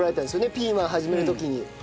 ピーマン始める時に。